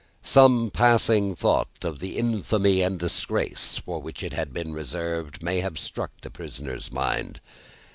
Some passing thought of the infamy and disgrace for which it had been reserved, may have struck the prisoner's mind.